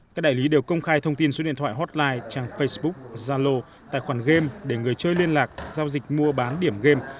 các đại lý đều công khai thông tin số điện thoại hotline trang facebook zalo tài khoản game để người chơi liên lạc giao dịch mua bán điểm game